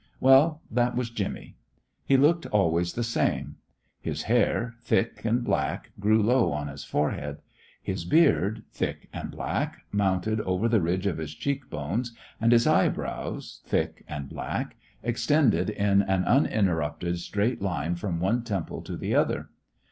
Well, that was Jimmy. He looked always the same. His hair, thick and black, grew low on his forehead; his beard, thick and black, mounted over the ridge of his cheek bones; and his eyebrows, thick and black, extended in an uninterrupted straight line from one temple to the other.